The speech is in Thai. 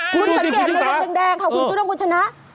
คุณสังเกตในรถแดงค่ะคุณจุดองค์คุณชนะ